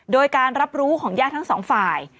โดยการรับรู้ของญาติทั้งสองฝ่าย